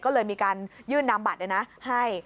ก็เลยมีการยื่นนำบัตรให้